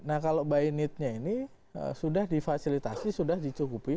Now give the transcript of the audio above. nah kalau by neednya ini sudah difasilitasi sudah dicukupi